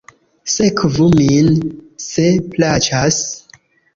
Sekvu min, se plaĉas.